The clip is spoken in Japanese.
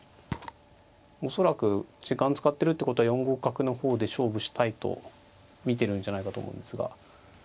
恐らく時間使ってるってことは４五角の方で勝負したいと見てるんじゃないかと思うんですが。